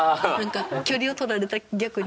距離をとられた逆に。